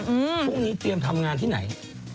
พรุ่งนี้เตรียมทำงานที่ไหน